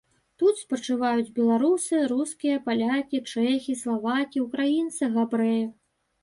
Тут спачываюць беларусы, рускія, палякі, чэхі, славакі, украінцы, габрэі.